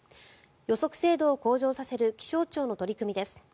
予測精度を向上させる気象庁の取り組みです。